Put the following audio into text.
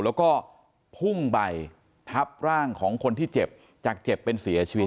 แล้วก็พุ่งไปทับร่างของคนที่เจ็บจากเจ็บเป็นเสียชีวิต